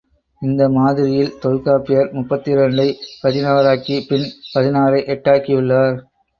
இந்த மாதிரியில், தொல்காப்பியர் முப்பத்திரண்டைப் பதினாறாக்கிப் பின் பதினாறை எட்டாக்கியுள்ளார்.